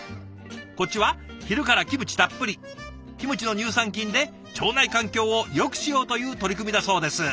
こっちは昼からキムチたっぷりキムチの乳酸菌で腸内環境をよくしようという取り組みだそうです。